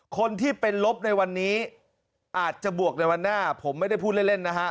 คนที่เป็นลบในวันนี้อาจจะบวกในวันหน้าผมไม่ได้พูดเล่นนะฮะ